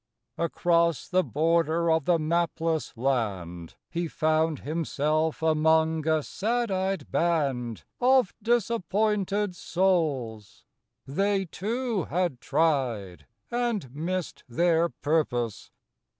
Across the border of the mapless land He found himself among a sad eyed band Of disappointed souls; they, too, had tried And missed their purpose.